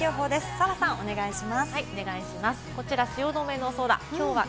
澤さん、お願いします。